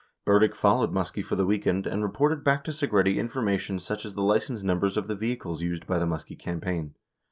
Burdick followed Muskie for the weekend, and reported back to Segretti information such as the license numbers of the vehicles used by the Muskie cam paign.